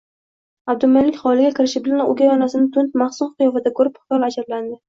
Abdumalik hovliga kirishi bilan o`gay onasini tund, mahzun qiyofada ko`rib, xiyol ajablandi